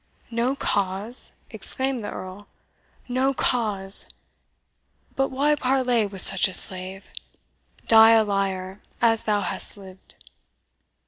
"No cause!" exclaimed the Earl, "no cause! but why parley with such a slave? Die a liar, as thou hast lived!"